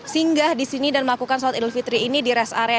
singgah di sini dan melakukan sholat idul fitri ini di rest area